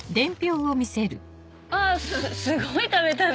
あぁすごい食べたね。